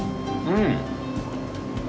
うん！